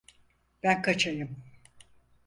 Ben kaçayım.